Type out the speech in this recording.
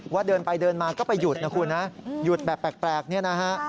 เดินไปเดินมาก็ไปหยุดนะคุณนะหยุดแบบแปลกเนี่ยนะฮะ